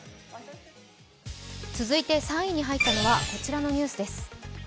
続いて３位に入ったのはこちらのニュースです。